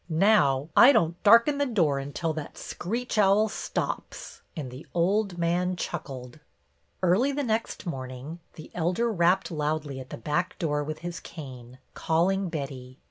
Now I don't darken the door 1 92 BETTY BAIRD until that screech owl stops;" and the old man chuckled. Early the next morning the Elder rapped loudly at the back door with his cane, calling Betty.